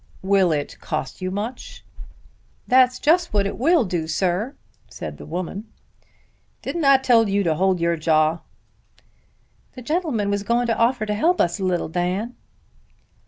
"Will it cost you much?" "That's just what it will do, sir," said the woman. "Didn't I tell you, hold your jaw?" "The gentl'man was going to offer to help us a little, Dan."